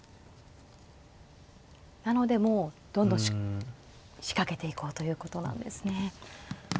なのでもうどんどん仕掛けていこうということなんですね。